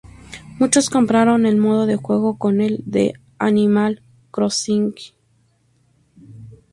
Muchos compararon el modo de juego con el de "Animal Crossing".